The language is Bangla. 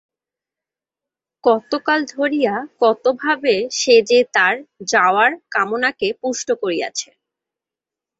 কতকাল ধরিয়া কতভাবে সে যে তার যাওয়ার কামনাকে পুষ্ট করিয়াছে?